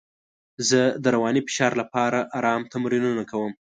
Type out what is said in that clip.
زه د رواني فشار لپاره ارام تمرینونه کوم.